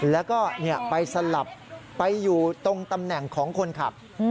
แล้วก็ไปสลับไปอยู่ตรงตำแหน่งของคนขับ